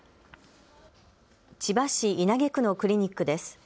千葉市稲毛区のクリニックです。